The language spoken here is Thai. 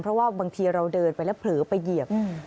เพราะว่าบางทีเราเดินไปแล้วเผลอไปเหยียบ